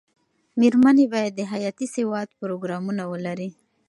مېرمنې باید د حياتي سواد پروګرامونه ولري.